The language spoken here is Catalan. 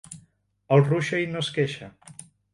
El ruixa i no es queixa.